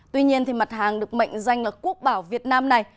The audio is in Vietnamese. tuy nhiên mặt hàng được mệnh danh là quốc bảo việt nam này